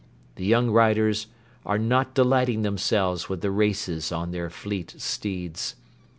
The young riders are not delighting themselves with the races on their fleet steeds.